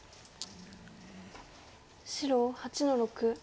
白８の六。